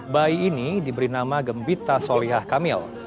bayi ini diberi nama gembita solihah kamil